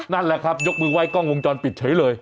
นั่นแหละครับยกมือไห้กล้องวงจรปิดเฉยเลย